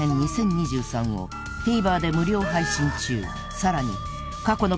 ［さらに過去の］